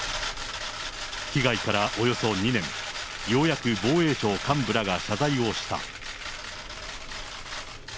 被害からおよそ２年、ようやく防衛省幹部らが謝罪をした。